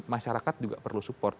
masyarakat juga perlu support